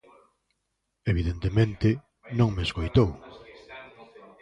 Evidentemente, non me escoitou.